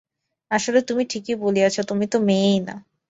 আসলে তুমিই ঠিকই বলেছ, তুমি তো মেয়েই না!